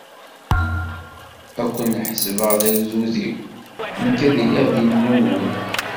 Ad ken-ḥesbeɣ d agdud-iw, nekk ad iliɣ d Illu-nwen.